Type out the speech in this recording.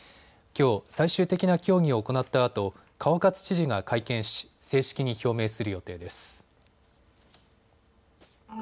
きょう最終的な協議を行ったあと川勝知事が会見し正式に表明する予定です。